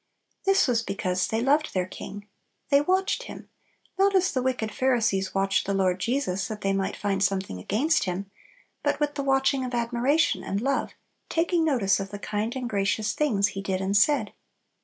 This was because they loved their king. They watched him, not as the wicked Pharisees watched the Lord Jesus that they might find something against Him; but with the watching of admiration and love, taking notice of the kind and gracious things he did and said.